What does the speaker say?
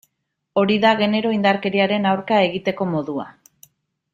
Hori da genero indarkeriaren aurka egiteko modua.